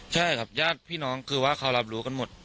ใช่ครับญาติพี่น้องคือว่าเขารับรู้กันหมด